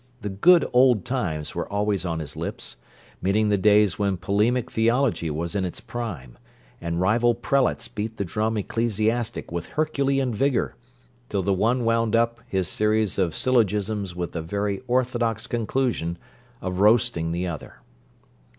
The good old times were always on his lips; meaning the days when polemic theology was in its prime, and rival prelates beat the drum ecclesiastic with Herculean vigour, till the one wound up his series of syllogisms with the very orthodox conclusion of roasting the other.